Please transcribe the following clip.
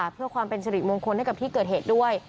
เพื่อความเป็นสิริมงคลให้กับที่เกิดเหตุด้วย